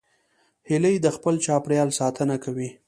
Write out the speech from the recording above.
هیلۍ د خپل چاپېریال ساتنه کوي